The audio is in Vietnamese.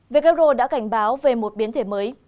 who đã cảnh báo về một biến thể mới